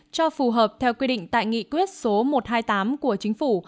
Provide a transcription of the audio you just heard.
cho phù hợp theo quy định tại nghị quyết số một trăm hai mươi tám của chính phủ